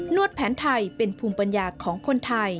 วดแผนไทยเป็นภูมิปัญญาของคนไทย